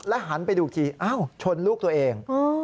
แล้วหันไปดูทีชนลูกตัวเอง